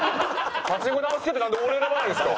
パチンコ玉好きでなんで俺選ばないんですか。